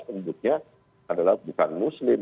penjujutnya adalah bukan muslim